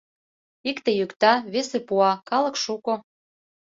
Икте йӱкта, весе пуа, калык шуко.